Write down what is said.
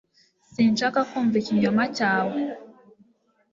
Sinshaka kumva ikinyoma cyawe